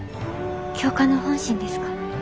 教官の本心ですか？